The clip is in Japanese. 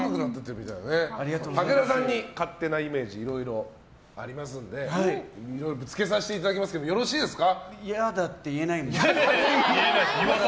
武田さんに勝手なイメージいろいろありますのでぶつけさせていただきますがよろしいですか？